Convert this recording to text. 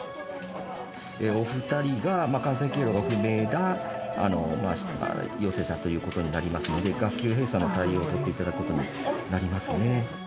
お２人が感染経路が不明な陽性者ということになりますので、学級閉鎖の対応を取っていただくことになりますね。